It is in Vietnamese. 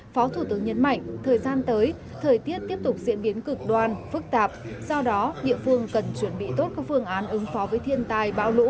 phó thủ tướng nhấn mạnh thời gian tới thời tiết tiếp tục diễn biến cực đoan phức tạp do đó địa phương cần chuẩn bị tốt các phương án ứng phó với thiên tai